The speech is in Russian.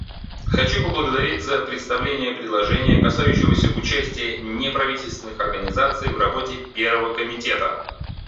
Хочу поблагодарить за представление предложения, касающегося участия неправительственных организаций в работе Первого комитета.